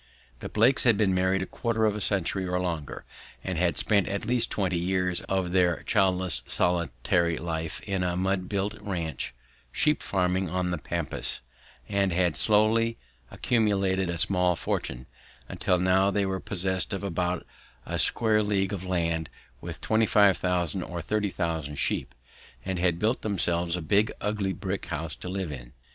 The Blakes had been married a quarter of a century or longer and had spent at least twenty years of their childless solitary life in a mud built ranch, sheep farming on the pampas, and had slowly accumulated a small fortune, until now they were possessed of about a square league of land with 25,000 or 30,000 sheep, and had built themselves a big ugly brick house to live in.